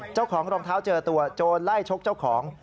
เจ้าของรองเท้าเจอตัวโจรไล่ชกเจ้าของ